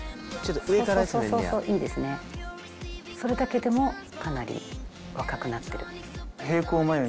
それだけでもかなり若くなってる。